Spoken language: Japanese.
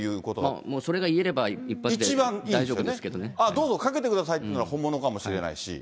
もうそれが言えれば、一発であ、どうぞ、かけてくださいっていうのが本物かもしれないし。